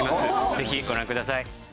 ぜひご覧ください。